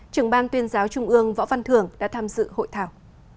trường ban tuyên giáo trung ương võ văn thưởng đã tham dự hội thảo